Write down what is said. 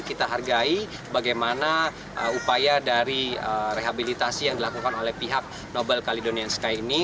kita hargai bagaimana upaya dari rehabilitasi yang dilakukan oleh pihak nobel calidonian sky ini